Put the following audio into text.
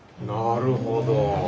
なるほど。